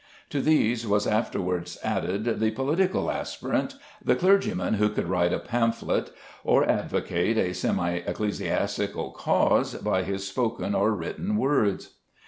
To these was afterwards added the political aspirant, the clergyman who could write a pamphlet or advocate a semi ecclesiastical cause by his spoken or written words.